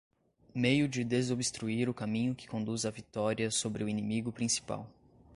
meio de desobstruir o caminho que conduz à vitória sobre o inimigo principal